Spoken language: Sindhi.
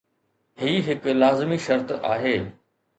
هي هڪ لازمي شرط آهي.